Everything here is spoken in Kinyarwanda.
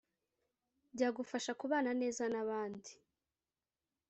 byagufasha kubana neza n abandi